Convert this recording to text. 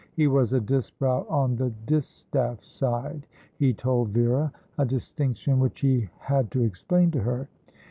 He was a Disbrowe on the Distaff side, he told Vera, a distinction which he had to explain to her.